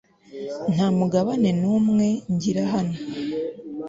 ntamugabane numwe ngira hano